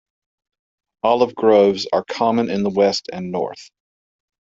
Olive groves are common in the west and north.